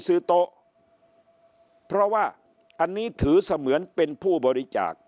ซื้อโต๊ะเพราะว่าอันนี้ถือเสมือนเป็นผู้บริจาค